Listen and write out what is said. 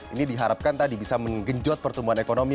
ini diharapkan tadi bisa menggenjot pertumbuhan ekonomi